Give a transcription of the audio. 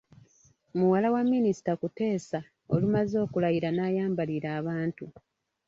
Muwala wa Minisita Kuteesa, olumaze okulayira n’ayambalira abantu.